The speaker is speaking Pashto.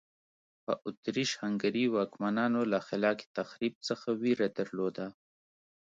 په اتریش هنګري واکمنانو له خلاق تخریب څخه وېره درلوده.